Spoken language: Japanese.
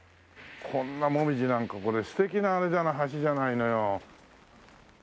こんなもみじなんかこれ素敵なあれじゃない鉢じゃないのよ。